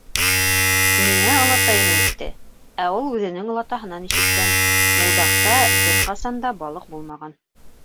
Миңә олатайым әйтте, ә ул үҙенең олатаһынан ишеткән, Мулдаҡта бер ҡасан да балыҡ булмаған.